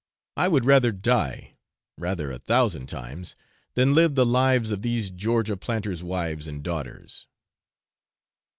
I would rather die rather a thousand times than live the lives of these Georgia planters' wives and daughters.